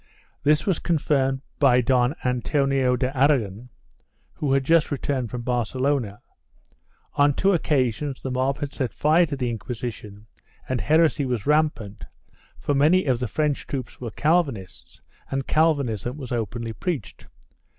This was confirmed by Don Antonio de Aragon, who had just returned from Barce lona; on two occasions the mob had set fire to the Inquisition and heresy was rampant, for many of the French troops were Calvinists and Calvinism was openly preached.